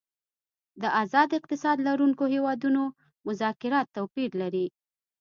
د آزاد اقتصاد لرونکو هیوادونو مذاکرات توپیر لري